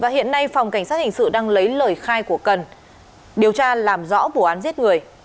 hiện nay phòng cảnh sát hình sự đang lấy lời khai của cần điều tra làm rõ vụ án giết người